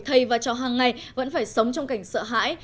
thầy và trò hàng ngày vẫn phải sống trong cảnh sợ hãi